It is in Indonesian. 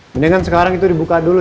mendingan sekarang itu dibuka dulu